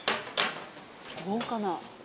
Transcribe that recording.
豪華な。